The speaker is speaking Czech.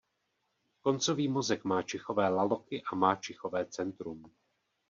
Koncový mozek má čichové laloky a má čichové centrum.